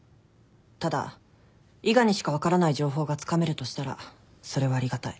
ただ伊賀にしか分からない情報がつかめるとしたらそれはありがたい。